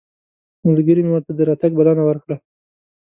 ملګري مې ورته د راتګ بلنه ورکړه.